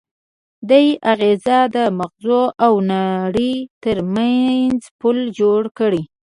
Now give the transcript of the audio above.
دې اغېز د ماغزو او نړۍ ترمنځ پُل جوړ کړ.